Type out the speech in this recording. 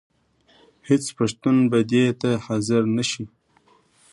هېڅ پښتون به دې ته حاضر نه شي.